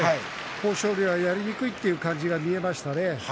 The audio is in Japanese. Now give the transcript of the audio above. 豊昇龍はやりにくいという感じが見えましたね。